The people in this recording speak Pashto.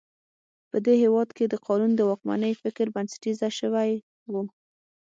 په دې هېواد کې د قانون د واکمنۍ فکر بنسټیزه شوی و.